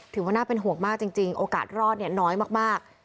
ถือว่าน่าเป็นห่วงมากจริงโอกาสรอดเนี่ยน้อยมาก